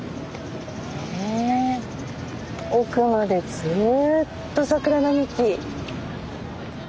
ええ奥までずっと桜並木。